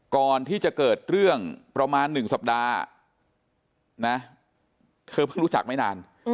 ก่อนที่จะเกิดเรื่องประมาณ๑สัปดาห์นะเธอเพิ่งรู้จักไม่นาน